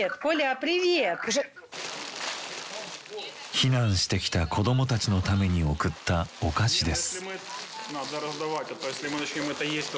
避難してきた子供たちのために送ったお菓子です。